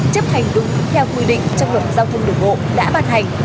chấp hành đúng theo quy định trong luật giao thông đường bộ đã ban hành